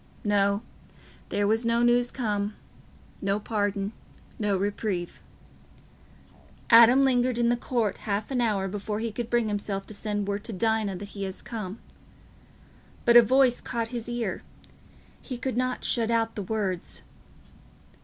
No; there was no news come—no pardon—no reprieve. Adam lingered in the court half an hour before he could bring himself to send word to Dinah that he was come. But a voice caught his ear: he could not shut out the words.